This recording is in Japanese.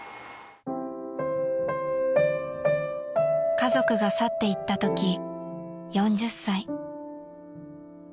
［家族が去っていったとき４０歳］